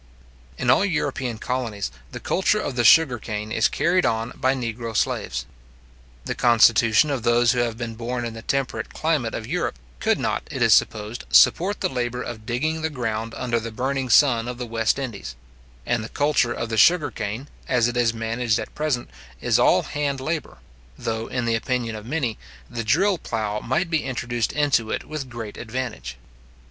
In all European colonies, the culture of the sugar cane is carried on by negro slaves. The constitution of those who have been born in the temperate climate of Europe could not, it is supposed, support the labour of digging the ground under the burning sun of the West Indies; and the culture of the sugar cane, as it is managed at present, is all hand labour; though, in the opinion of many, the drill plough might be introduced into it with great advantage.